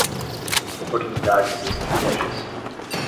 Oportunidades e estratégias